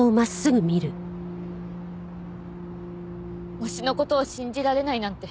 推しの事を信じられないなんて